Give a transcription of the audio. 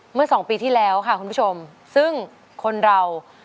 เมื่อสองปีที่แล้วค่ะคุณผู้ชมซึ่งคนเรา